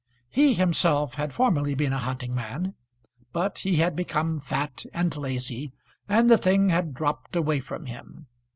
He himself had formerly been a hunting man, but he had become fat and lazy, and the thing had dropped away from him.